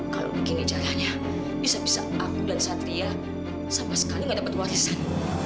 kalau begini jatahnya bisa bisa aku dan satria sama sekali gak dapat warisan